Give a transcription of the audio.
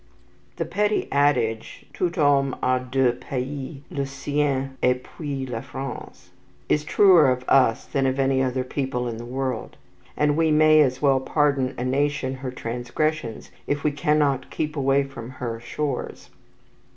The pretty adage, "Tout homme a deux pays: le sien et puis la France," is truer of us than of any other people in the world. And we may as well pardon a nation her transgressions, if we cannot keep away from her shores.